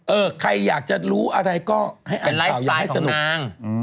เออใครอยากจะรู้อะไรก็ให้อ่านข่าวอย่างให้สนุกเป็นไลฟ์สไตล์ของนาง